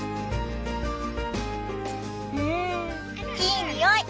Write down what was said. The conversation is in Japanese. うんいい匂い！